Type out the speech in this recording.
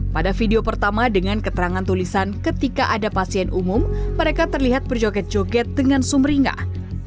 pada video pertama dengan keterangan tulisan ketika ada pasien umum mereka terlihat berjoget joget dengan sumringah